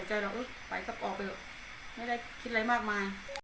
ไม่ได้คิดอะไรมากมาก